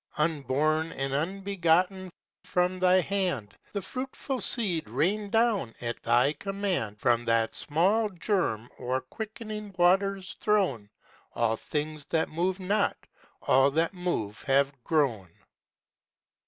Unborn and unbegotten! from thy hand The fruitful seed rained down; at thy command From that small germ o'er quickening waters thrown All things that move not, all that move have grown.